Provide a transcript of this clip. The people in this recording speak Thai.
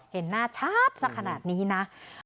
เห็นหน้าชัดสักขนาดนี้นะ